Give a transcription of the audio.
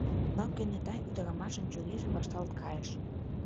Но кенета ӱдырамашын чурийже вашталт кайыш.